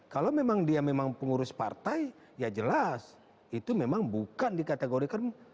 kalau memang dia memang pengurus partai ya jelas itu memang bukan dikategorikan